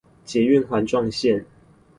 捷運環狀線